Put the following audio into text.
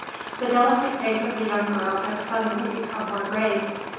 The delicate face of the young girl had suddenly become more grave.